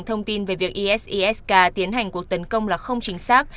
thông tin về việc isis k tiến hành cuộc tấn công là không chắc